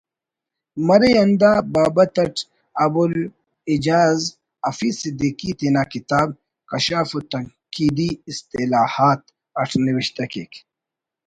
مرے ہندا بابت اٹ ابوالاعجاز حفیظ صدیقی تینا کتاب ”کشاف تنقیدی اصطلاحات“ اٹ نوشتہ کیک